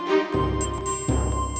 nggak pernah keluar ya